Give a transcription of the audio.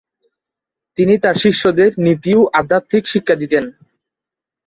তিনি তার শিষ্যদের নীতি ও আধ্যাত্মিক শিক্ষা দিতেন।